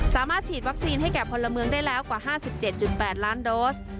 สามารถฉีดวัคซีนให้แก่พลเมืองได้แล้วกว่า๕๗๘ล้านโดส